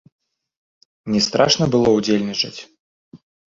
Не страшна было ўдзельнічаць?